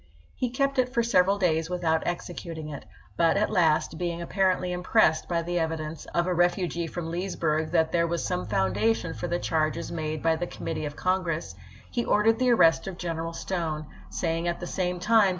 He kept it for several days without exe cuting it ; but at last, being apparently impressed by the evidence of a refugee from Leesburg that there was some foundation for the charges made by the committee of Congress, he ordered the ar Mccieiian I'^st of General Stone, saying at the same time to dIcTi8G2.